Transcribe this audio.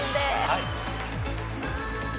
はい。